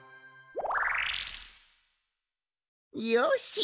よし！